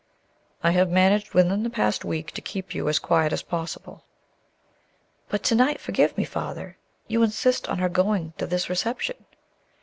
"I have managed within the past week to keep you as quiet as possible." "But to night forgive me, Father you insist on our going to this reception."